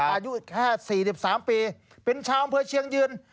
อายุแค่๔๓ปีเป็นชาวอำเภอเชียงยืน